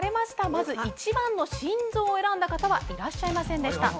まず１番の「心臓」を選んだ方はいらっしゃいませんでした